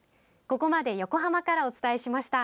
ここまで横浜からお伝えしました。